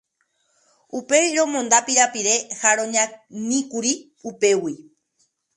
Upéi romonda pirapire ha roñaníkuri upégui.